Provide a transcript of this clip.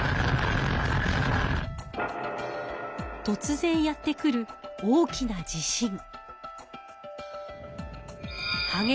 とつぜんやってくる大きな地震。